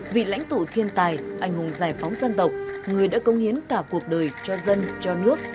vị lãnh tụ thiên tài anh hùng giải phóng dân tộc người đã công hiến cả cuộc đời cho dân cho nước